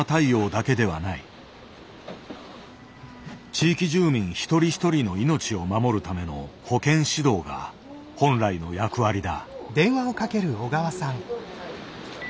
地域住民一人一人の命を守るための「保健指導」が本来の役割だ。